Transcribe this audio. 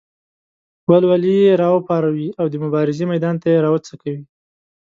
ولولې یې راوپاروي او د مبارزې میدان ته یې راوڅکوي.